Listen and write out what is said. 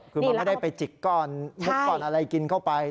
คือมันไม่ได้ไปจิกก้อนมุกก้อนอะไรกินเข้าไป